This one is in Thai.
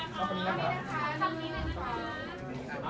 ขอบคุณครับ